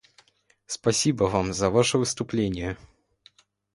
Спасибо Вам за Ваше выступление.